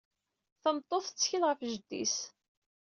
Tameṭṭut tettkel ɣef jeddi-s.